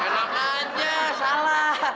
enak aja salah